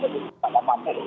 terima kasih pak